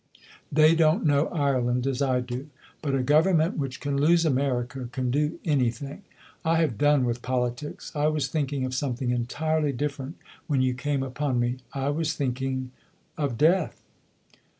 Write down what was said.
They don't know Ireland as I do. But a Government which can lose America can do anything. I have done with politics. I was thinking of something entirely different when you came upon me. I was thinking of death."